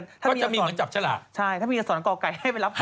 ก็จะมีกับหลัก